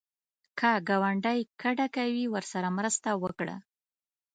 که ګاونډی کډه کوي، ورسره مرسته وکړه